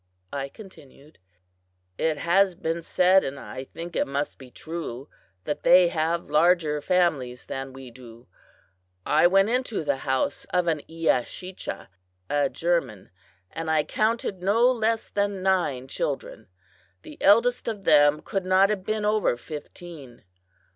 I continued. "It has been said, and I think it must be true, that they have larger families than we do. I went into the house of an Eashecha (a German), and I counted no less than nine children. The eldest of them could not have been over fifteen.